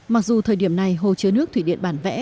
mặc dù thời điểm này hồ chứa nước thủy điện bản vẽ